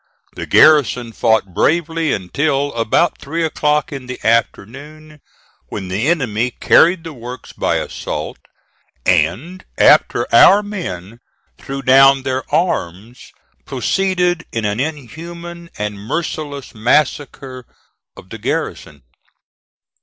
The garrison fought bravely until about three o'clock in the afternoon, when the enemy carried the works by assault; and, after our men threw down their arms, proceeded to an inhuman and merciless massacre of the garrison.